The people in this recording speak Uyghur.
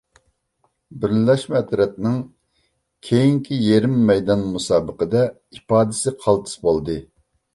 بىرلەشمە ئەترەتنىڭ كېيىنكى يېرىم مەيدان مۇسابىقىدە ئىپادىسى قالتىس بولدى.